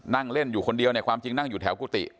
นั่งเล่นอยู่คนเดียวเนี่ยความจริงนั่งอยู่แถวกุฏิ